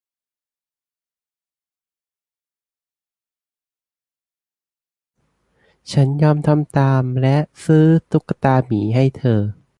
ฉันยอมทำตามและซื้อตุ๊กตาหมีให้เธอ